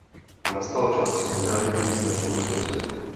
Nastal čas solidarity s našimi sousedy.